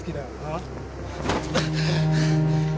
ああ？